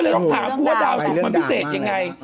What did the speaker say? ก็เลยต้องถามว่าดาวศุกร์มันพิเศษยังไง